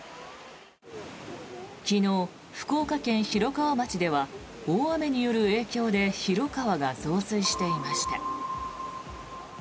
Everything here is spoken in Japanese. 昨日、福岡県広川町では大雨による影響で広川が増水していました。